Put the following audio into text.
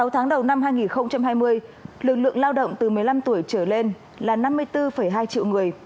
sáu tháng đầu năm hai nghìn hai mươi lực lượng lao động từ một mươi năm tuổi trở lên là năm mươi bốn hai triệu người